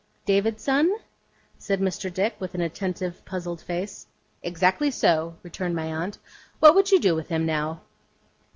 'David's son?' said Mr. Dick, with an attentive, puzzled face. 'Exactly so,' returned my aunt. 'What would you do with him, now?